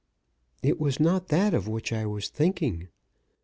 "It was not that of which I was thinking.